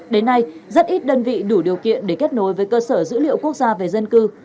đến nay rất ít đơn vị đủ điều kiện để kết nối với cơ sở dữ liệu quốc gia về dân cư